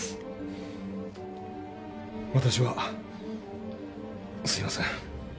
私はすいません。